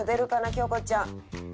京子ちゃん。